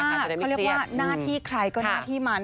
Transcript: เอาเป็นว่าเขาเรียกว่าหน้าที่ใครก็หน้าที่มัน